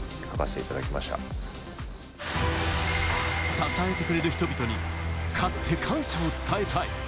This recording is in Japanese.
支えてくれる人々に勝って感謝を伝えたい。